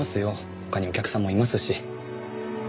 他にお客さんもいますし。